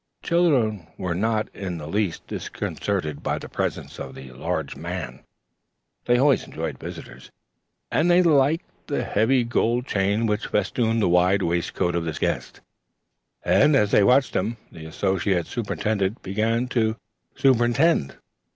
The children were not in the least disconcerted by the presence of the large man. They always enjoyed visitors, and they liked the heavy gold chain which festooned the wide waistcoat of this guest; and, as they watched him, the Associate Superintendent began to superintend.